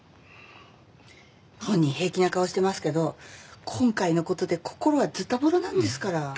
本人平気な顔してますけど今回の事で心はズタボロなんですから。